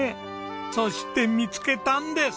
そして見つけたんです！